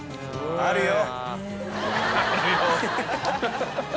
「あるよ」。